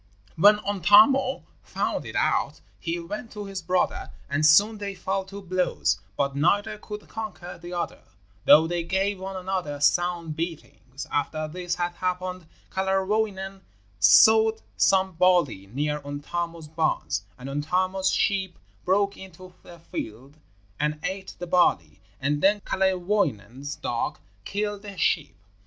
When Untamo found it out he went to his brother, and soon they fell to blows; but neither could conquer the other, though they gave one another sound beatings. After this had happened, Kalerwoinen sowed some barley near Untamo's barns; and Untamo's sheep broke into the field and ate the barley, and then Kalerwoinen's dog killed the sheep.